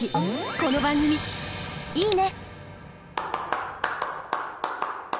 この番組「いいね！」。